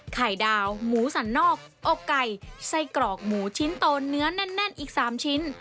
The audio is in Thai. ไข่ดาวหมูสันนอกอกไก่ไส้กรอกหมูชิ้นโตเนื้อแน่นอีก๓ชิ้น